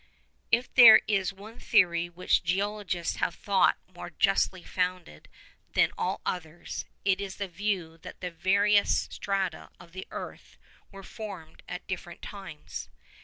If there is one theory which geologists have thought more justly founded than all others, it is the view that the various strata of the earth were formed at different times.